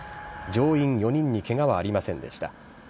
乗員４人にけがはありませんでした。